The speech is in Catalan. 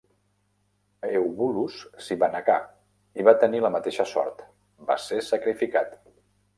Eubulus s'hi va negar i va tenir la mateixa sort; va ser sacrificat.